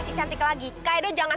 si cantik lagi kak edo jangan